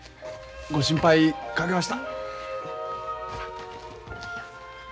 ご心配かけました。